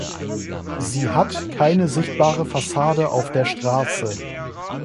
Sie hat keine sichtbare Fassade auf der Straße.